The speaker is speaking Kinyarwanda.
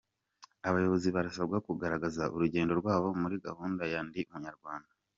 Abayobozi barasabwa kugaragaza urugendo rwabo muri gahunda ya "Ndi Umunyarwanda".